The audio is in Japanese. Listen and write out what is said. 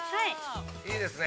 ◆いいですね。